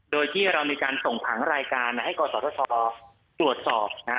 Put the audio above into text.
โดยที่เรามีการส่งผังรายการให้กศธชตรวจสอบ